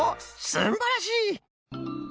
すんばらしい！